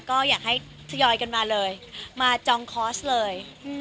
ก็อยากให้ทยอยกันมาเลยมาจองคอร์สเลย